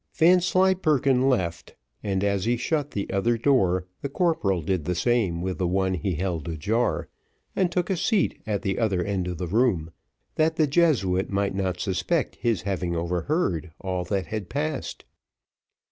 Vanslyperken left, and as he shut the other door the corporal did the same with the one he held ajar, and took a seat at the other end of the room, that the Jesuit might not suspect his having overheard all that had passed.